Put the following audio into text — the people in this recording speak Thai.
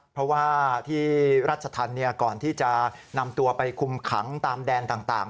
เพราะว่าที่รัชธรรมก่อนที่จะนำตัวไปคุมขังตามแดนต่าง